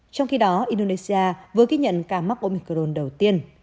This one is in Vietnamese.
trong khi đó indonesia vừa ghi nhận ca mắc omicron đầu tiên